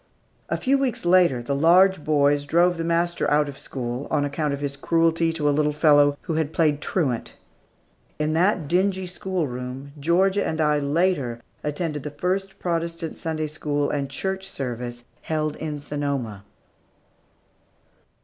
A few weeks later, the large boys drove the master out of school on account of his cruelty to a little fellow who had played truant. In that dingy schoolroom, Georgia and I later attended the first Protestant Sunday school and church service held in Sonoma.